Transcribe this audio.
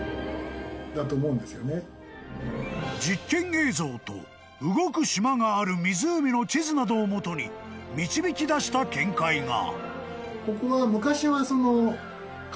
［実験映像と動く島がある湖の地図などを基に導き出した見解が］